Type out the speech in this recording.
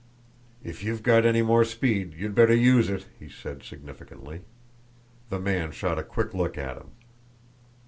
"If you've got any more speed, you'd better use it!" he said significantly. The man shot a quick look at him.